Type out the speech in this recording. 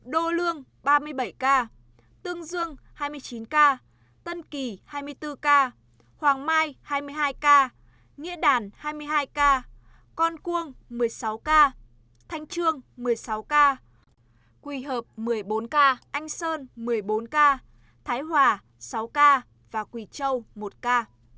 đô lương ba mươi bảy ca tương dương hai mươi chín ca tân kỳ hai mươi bốn ca hoàng mai hai mươi hai ca nghĩa đản hai mươi hai ca con cuông một mươi sáu ca thanh trương một mươi sáu ca quỳ hợp một mươi bốn ca anh sơn một mươi bốn ca thái hòa sáu ca quỳ châu một ca